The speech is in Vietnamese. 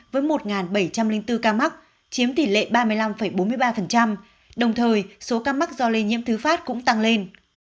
với một bảy trăm linh bốn ca mắc chiếm tỷ lệ ba mươi năm bốn mươi ba đồng thời số ca mắc do lây nhiễm thứ phát cũng tăng lên